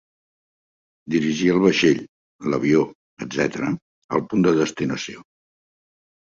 Dirigir el vaixell, l'avió, etc., al punt de destinació.